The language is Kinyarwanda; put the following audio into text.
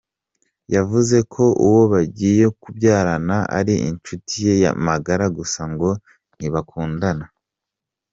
Yavuze ko uwo bagiye kumubyarana ari inshuti ye magara gusa ngo ntibakundana.